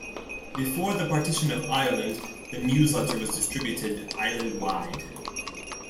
Before the partition of Ireland, the "News Letter" was distributed island-wide.